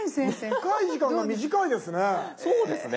深い時間が短いですね。